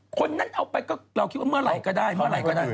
คนนั้นเอาไปก็เราคิดว่าเมื่อไหร่ก็ได้เมื่อไหร่ก็ได้